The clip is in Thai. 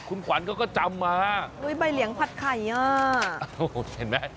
คุณขวัญเขาก็จำมาอุ้ยใบเหลียงผัดไข่อ่ะโอ้โหเห็นไหม